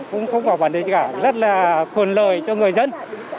cũng không có vấn đề gì cả rất là khuẩn lời cho người dân